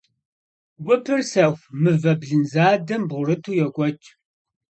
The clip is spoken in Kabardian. Гупыр сэху мывэ блын задэм бгъурыту йокӀуэкӀ.